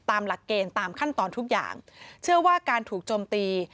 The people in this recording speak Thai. ตามหลักเกณฑ์ตามขั้นตอนทุกอย่างเชื่อว่าการถูกโจมตี